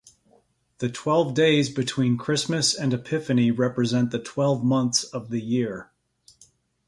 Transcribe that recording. The twelve days between Christmas and Epiphany represent the twelve months of the year.